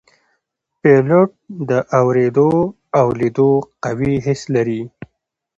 پیلوټ د اوریدو او لیدو قوي حس لري.